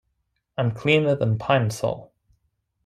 I'm cleaner than Pine-Sol.